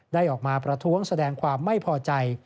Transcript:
ได้ออกมาประท้วงแสดงความไม่พอใจ